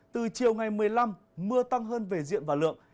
từ chiều ngày một mươi năm mưa tăng hơn về diện và lượng